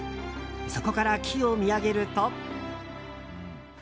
そこから木を見上げると。